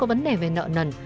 vấn đề về nợ nần